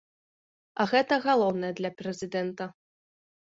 А гэта галоўнае для прэзідэнта.